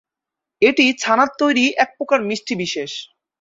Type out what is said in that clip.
এটি ছানার তৈরি একপ্রকার মিষ্টি বিশেষ।